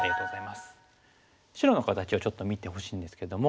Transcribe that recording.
白の形をちょっと見てほしいんですけども。